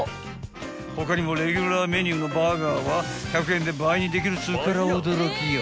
［他にもレギュラーメニューのバーガーは１００円で倍にできるっつうから驚きよ］